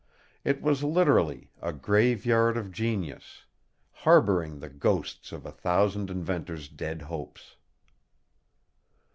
It was literally a Graveyard of Genius harboring the ghosts of a thousand inventors' dead hopes.